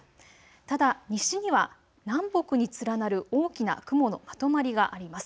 ただ西には南北に連なる大きな雲のまとまりがあります。